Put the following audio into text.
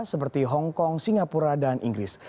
seperti hong kong singapura dan inggris